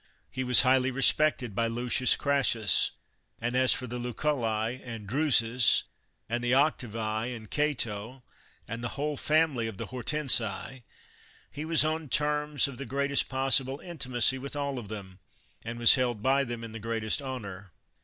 He was highly respected by Lucius Crassus ; and as for the Luculli, and Dru sus, and the Octavii, and Cato, and the whole family of the Hortensii, he was on terms of the greatest possible intimacy with all of them, and was held by them in the greatest honor.